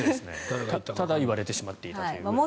ただ言われてしまっていたという。